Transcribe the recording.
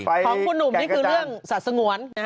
ของคุณหนุ่มนี่คือเรื่องสัตว์สงวน